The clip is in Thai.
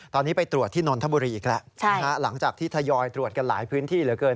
ตอนนี้ไปตรวจที่นนทบุรีอีกแล้วหลังจากที่ทยอยตรวจกันหลายพื้นที่เหลือเกิน